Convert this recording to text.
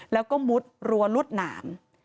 แล้วก็มุดรั้วรวดหนาม